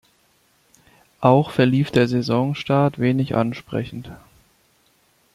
Auch verlief der Saisonstart wenig ansprechend.